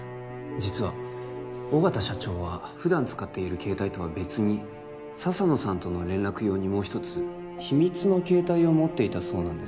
実は緒方社長は普段使っている携帯とは別に笹野さんとの連絡用にもう一つ秘密の携帯を持っていたそうなんです